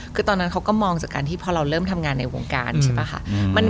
คือตอนนั้นเขาก็มองจากการที่พอเราเริ่มทำงานในวงการใช่ป่ะค่ะ